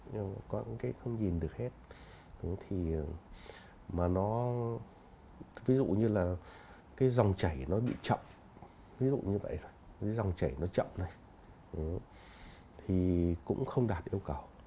có những cái không nhìn được hết thì mà nó ví dụ như là cái dòng chảy nó bị chậm ví dụ như vậy cái dòng chảy nó chậm này thì cũng không đạt yêu cầu